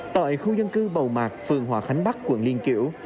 tại khu dân cư bầu mạc phường hòa khánh bắc quận liên kiểu